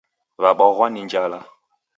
W'abw'aghw'a ni njala